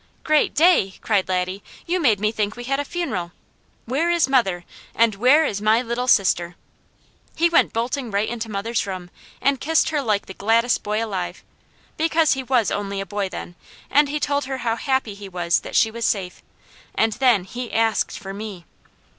"Great Day!" cried Laddie. "You made me think we had a funeral! Where is mother, and where is my Little Sister?" He went bolting right into mother's room and kissed her like the gladdest boy alive; because he was only a boy then, and he told her how happy he was that she was safe, and then he ASKED for me.